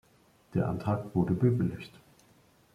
Der Antrag wurde bewilligt.